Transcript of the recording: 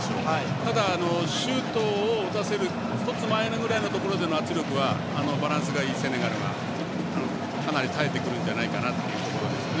ただ、シュートを打たせる１つ前ぐらいのところの圧力はバランスがいいセネガルがかなり耐えてくるんじゃないかなという感じですね。